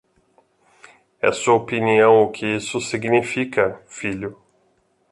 É sua opinião o que isso significa, filho.